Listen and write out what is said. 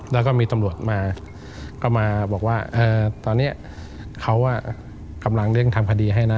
แล้วก็มีตำรวจมาก็มาบอกว่าตอนนี้เขากำลังเร่งทำคดีให้นะ